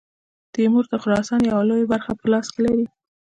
تیمور د خراسان یوه لویه برخه په لاس کې لري.